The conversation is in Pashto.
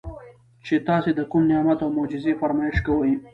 چې تاسي د کوم نعمت او معجزې فرمائش کوئ